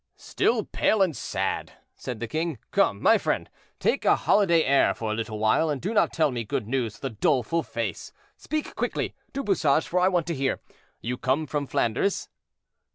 "Still pale and sad," said the king. "Come, friend, take a holiday air for a little while, and do not tell me good news with a doleful face: speak quickly, Du Bouchage, for I want to hear. You come from Flanders?"